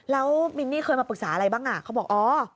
แล้วมินนี่เคยมาปรึกษาอะไรบ้างอ่ะเขาบอกอ๋อ